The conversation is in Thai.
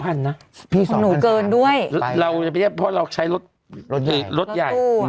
พี่๒๓๐๐บาทไปคุณหนูเกินด้วยเพราะเราใช้รถใหญ่รถตู้